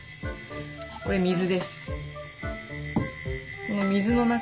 これ水です。